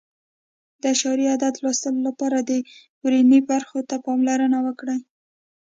د اعشاري عدد لوستلو لپاره د ورنیې برخو ته پاملرنه وکړئ.